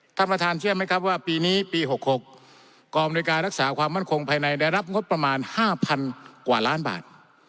ท่านประธานเชื่อไหมครับว่าปีนี้ปี๖๖กองบริการรักษาความมั่นคงภายในได้รับงบประมาณ๕๐๐๐กว่าล้านบาท